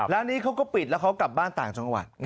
นี้เขาก็ปิดแล้วเขากลับบ้านต่างจังหวัด